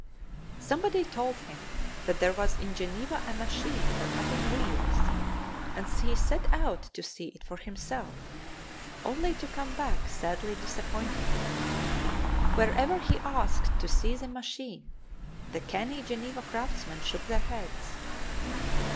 Somebody told him that there was in Geneva a machine for cutting wheels, and he set out to see it for himself, only to come back sadly disappointed. Wherever he asked to see the machine, the canny Geneva craftsmen shook their heads.